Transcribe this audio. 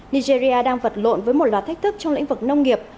nigeria đang vật lộn với một loạt thách thức trong lĩnh vực nông nghiệp